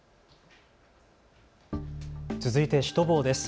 続いてシュトボーです。